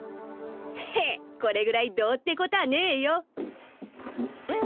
ヘッこれぐらいどうってことはねえよ。